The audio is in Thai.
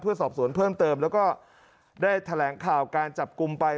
เพื่อสอบสวนเพิ่มเติมแล้วก็ได้แถลงข่าวการจับกลุ่มไป